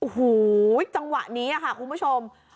โอ้โหจังหวะนี้ค่ะคุณผู้ชม